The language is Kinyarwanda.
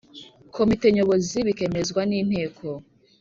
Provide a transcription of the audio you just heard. Komite Nyobozi bikemezwa n Inteko